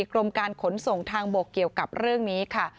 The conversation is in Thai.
กรมการขนส่งทางบกเกี่ยวกับเรื่องนี้ค่ะ